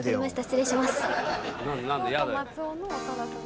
失礼します。